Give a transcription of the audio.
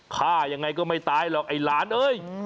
ฆ่ายังไงก็ไม่ตายหรอกไอ้หลานเอ้ย